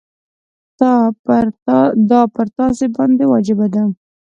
دا پر تاسي باندي واجبه ده.